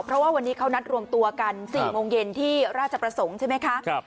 เพราะว่าวันนี้เขานัดรวมตัวกัน๔โมงเย็นที่ราชประสงค์ใช่ไหมคะ